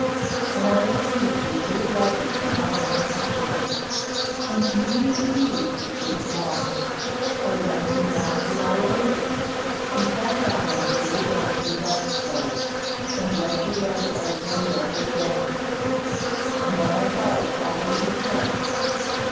When I received your dear letter from Armine yesterday, and knew indeed that you had gone, I went and walked in our woods, and sat down on the very bank we loved so, and read your letter over and over again; and then I thought of all you had said.